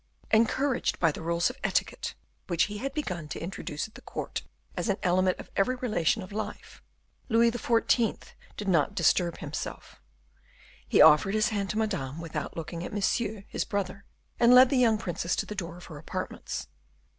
Encouraged by the rules of etiquette, which he had begun to introduce at the court as an element of every relation of life, Louis XIV. did not disturb himself; he offered his hand to Madame without looking at Monsieur his brother, and led the young princess to the door of her apartments.